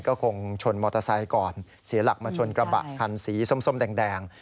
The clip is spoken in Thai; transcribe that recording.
ก็คงชนมอเตอร์ไซค์ก่อนเสียหลักมาชนกระบะคันสีส้มแดง